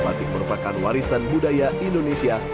batik merupakan warisan budaya indonesia